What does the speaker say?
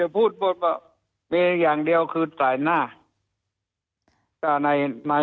พูดบทว่ามีอย่างเดียวคือใส่หน้า